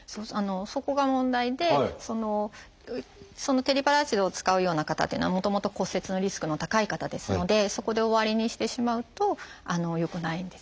そこが問題でテリパラチドを使うような方というのはもともと骨折のリスクの高い方ですのでそこで終わりにしてしまうとよくないんですよね。